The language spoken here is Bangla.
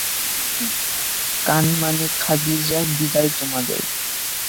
কানমাণি, খাদিজা, বিদায় তোমাদের।